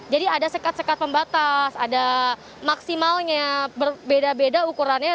jadi ada sekat sekat pembatas ada maksimalnya berbeda beda ukurannya